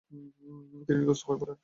তিনি ঋণগ্রস্তও হয়ে পড়েন।